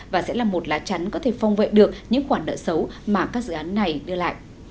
và sẽ là một lá chắn có thể phong vệ được những khoản nợ xấu mà các dự án này đưa lại